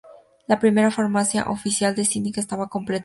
La primera formación oficial de Cynic estaba completa.